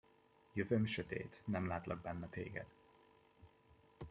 Jövőm sötét: nem látlak benne téged.